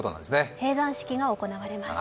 閉山式が行われます。